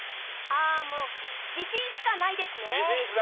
もう自信しかないですね。